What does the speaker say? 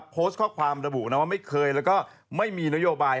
โพสต์ข้อความระบุนะว่าไม่เคยแล้วก็ไม่มีนโยบาย